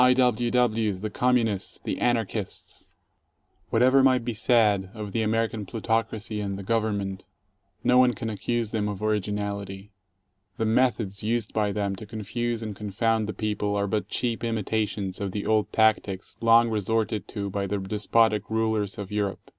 W. Ws., the Communists, the Anarchists !" 16 Whatever might be said of the American plutocracy and the Government, no one can accuse them of originality. The methods used by them to confuse and confound the people are but cheap imitations of the old tactics long resorted to by the despotic rulers of Europe.